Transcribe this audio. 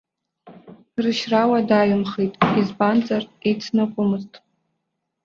Рышьра уадаҩымхеит, избанзар, еицныҟәомызт.